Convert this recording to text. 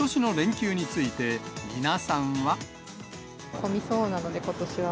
混みそうなので、ことしは。